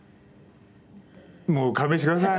もう勘弁してください。